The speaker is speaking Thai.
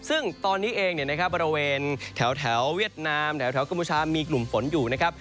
ซึ่งตอนนี้เองเนี่ยนะครับบริเวณแถวเวียดนามแถวกัมพูชามีกลุ่มฝนอยู่นะครับ